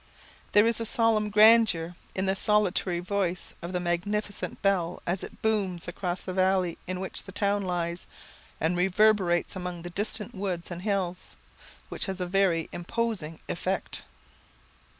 There is a solemn grandeur in the solitary voice of the magnificent bell, as it booms across the valley in which the town lies, and reverberates among the distant woods and hills, which has a very imposing effect.